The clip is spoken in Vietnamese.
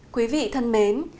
quý vị thân mến